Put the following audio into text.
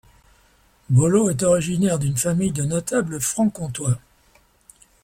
Bolot est originaire d'une famille de notables franc-comtois.